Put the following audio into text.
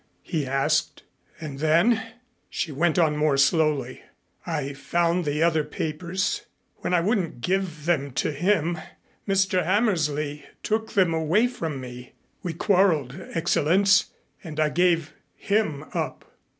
he asked. "And then," she went on more slowly, "I found the other papers. When I wouldn't give them to him, Mr. Hammersley took them away from me. We quarreled, Excellenz, and I gave him up."